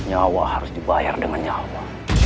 nyawa harus dibayar dengan nyawa